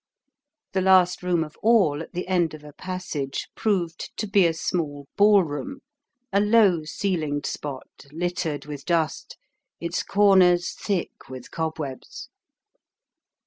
The last room of all at the end of a passage proved to be a small ballroom, a low ceilinged spot littered with dust, its corners thick with cobwebs.